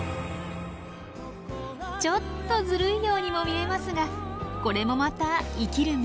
ちょっとずるいようにも見えますがこれもまた生きる道。